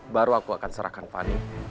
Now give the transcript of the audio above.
baru aku akan serahkan fani